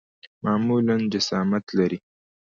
معمولاً جسامت لري.